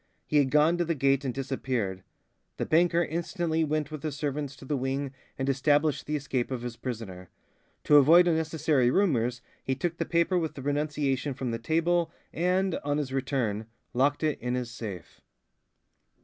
He had gone to the gate and disappeared. The banker instantly went with his servants to the wing and established the escape of his prisoner. To avoid unnecessary rumours he took the paper with the renunciation from the table and, on his return, locked it in his safe.